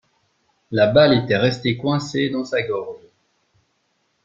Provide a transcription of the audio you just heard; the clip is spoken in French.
La balle était restée coincée dans sa gorge.